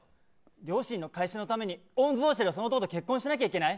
両親の会社のために御曹司の男と結婚しなきゃいけない。